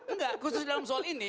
enggak khusus dalam soal ini